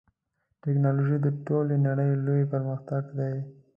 ټکنالوژي د ټولې نړۍ لوی پرمختګ دی.